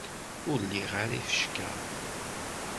Ur liɣ ara ifecka.